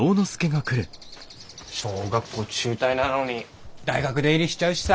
小学校中退なのに大学出入りしちゃうしさあ。